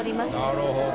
なるほど。